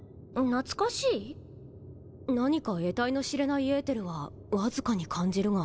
何かえたいの知れないえーてるはわずかに感じるが。